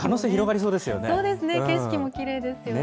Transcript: そうですね、景色もきれいですよね。